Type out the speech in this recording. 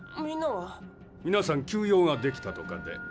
みなさん急用ができたとかで。